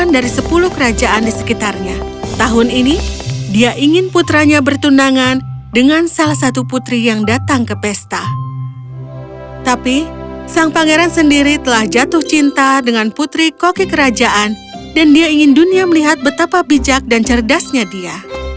dia jatuh cinta dengan putri koki kerajaan dan dia ingin dunia melihat betapa bijak dan cerdasnya dia